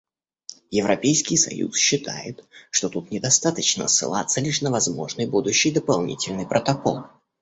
Европейский союз считает, что тут недостаточно ссылаться лишь на возможный будущий дополнительный протокол.